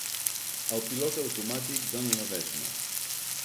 El pilot automàtic d'en Ledesma.